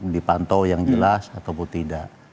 dipantau yang jelas ataupun tidak